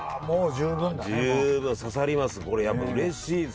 十分刺さります。